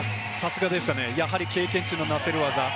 やはり経験値の成せる技。